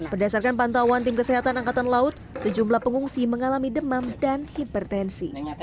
berdasarkan pantauan tim kesehatan angkatan laut sejumlah pengungsi mengalami demam dan hipertensi